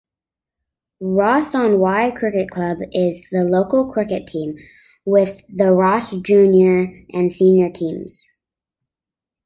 Ross-on-Wye Cricket Club is the local cricket team, with Ross junior and senior teams.